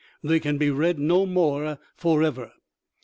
They can be read no more forever.